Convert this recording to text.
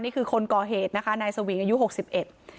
นี่คือคนก่อเหตุนะคะนายสวิงอายุหกสิบเอ็ด